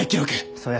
そや。